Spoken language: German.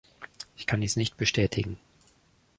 Ich kann dies nicht bestätigen.